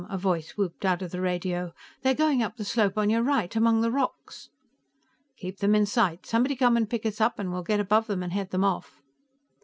a voice whooped out of the radio. "They're going up the slope on your right, among the rocks!" "Keep them in sight; somebody come and pick us up, and we'll get above them and head them off."